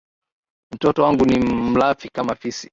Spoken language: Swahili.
Mtoto wangu ni mlafi kama fisi